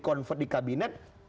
convert di kabinetnya